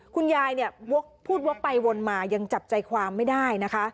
คุณยายเนี่ยพูดวกไปวนมายังจับใจความไม่ได้นะคะ